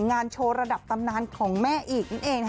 งานโชว์ระดับตำนานของแม่อีกนั่นเอง